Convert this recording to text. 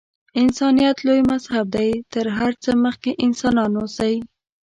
انسانیت لوی مذهب دی. تر هر څه مخکې انسانان اوسئ.